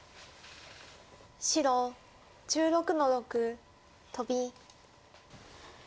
白１６の六トビ。